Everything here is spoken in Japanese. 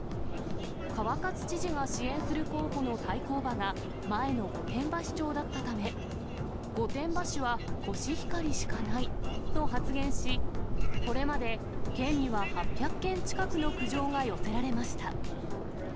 川勝知事が支援する対抗馬が、前の御殿場市長だったため、御殿場市はコシヒカリしかないと発言し、これまで県には８００件近くの苦情が寄せられました。